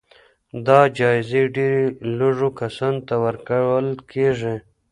دا جايزې ډېر لږو کسانو ته ورکول کېږي.